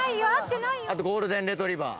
あとゴールデンレトリバー。